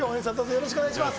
よろしくお願いします。